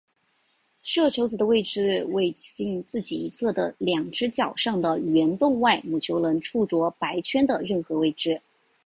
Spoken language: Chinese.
射球子的位置为近自己一侧的两只角上的圆洞外母球能触着白圈的任何位置。